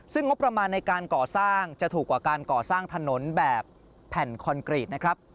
ซึ่งงบประมาณในการก่อสร้างจะถูกกว่าการก่อสร้างถนนแบบแผ่นคอนกรีตนะครับ